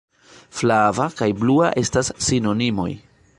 Flava kaj blua estas sinonimoj!